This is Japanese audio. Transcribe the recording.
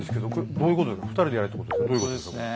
どういうことですか？